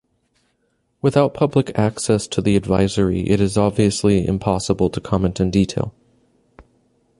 Without public access to the advisory, it is obviously impossible to comment in detail.